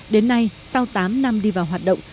đến nay sau tám năm đi vào hoạt động